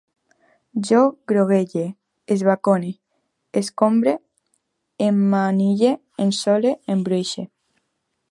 Jo groguege, esbacone, escombre, emmanille, ensole, embruixe